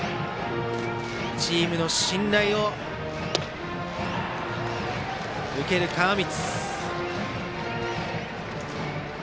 チームの信頼を受ける川満。